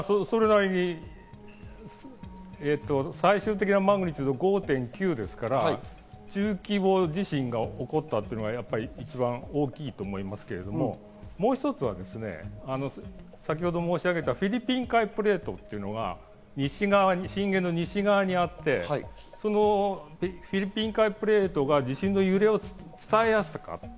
最終的なマグニチュードが５．９ですから、中規模地震が起こったというのが一番大きいと思いますけれども、もう一つは、先程申し上げたフィリピン海プレートというのが震源の西側にあって、フィリピン海プレートが地震の揺れを伝えやすかった。